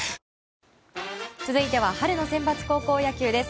続いては春のセンバツ高校野球です。